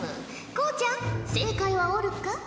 こうちゃん正解はおるか？